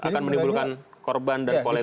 akan menimbulkan korban dan pola itu